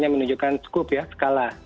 bukan skup ya skala